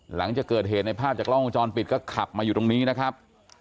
หลังจากเกิดเหตุในภาพจากล้องวงจรปิดก็ขับมาอยู่ตรงนี้นะครับ